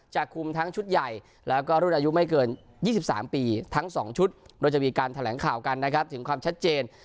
คุมทั้งชุดใหญ่แล้วก็รุ่นอายุไม่เกิน๒๓ปีทั้ง๒ชุดโดยจะมีการแถลงข่าวกันนะครับถึงความชัดเจน